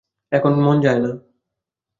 এখন মন যায় না।